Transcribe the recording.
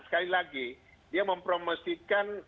sekali lagi dia mempromosikan